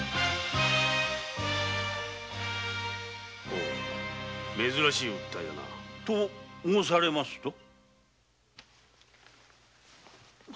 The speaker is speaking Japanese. ほう珍しい訴えだな。と申されますると？